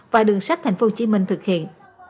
và đường sách thành phố hồ chí minh thực hiện